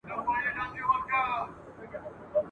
ښار دي جهاني د تورتمونو غېږ ته مخه کړه !.